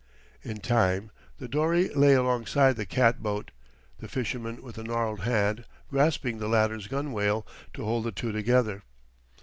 In time the dory lay alongside the cat boat, the fisherman with a gnarled hand grasping the latter's gunwale to hold the two together.